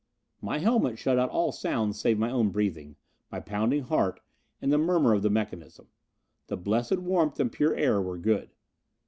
My helmet shut out all sounds save my own breathing, my pounding heart, and the murmur of the mechanism. The blessed warmth and pure air were good.